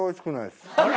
あれ？